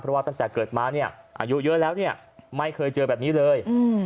เพราะว่าตั้งแต่เกิดมาเนี่ยอายุเยอะแล้วเนี่ยไม่เคยเจอแบบนี้เลย